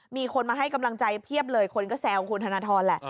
มีคนมาให้กำลังใจเพียบเลยคนก็แซวคุณธนทรแหละ